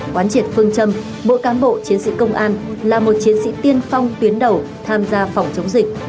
quán triệt phương châm mỗi cán bộ chiến sĩ công an là một chiến sĩ tiên phong tuyến đầu tham gia phòng chống dịch